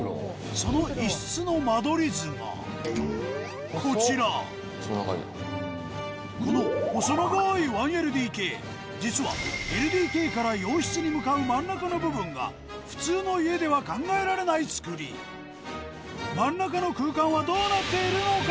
その１室の間取り図がこちらこの実はＬＤＫから洋室に向かう真ん中の部分が普通の家では考えられない造り真ん中の空間はどうなっているのか！？